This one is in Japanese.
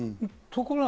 と。